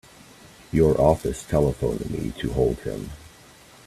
Your office telephoned me to hold him.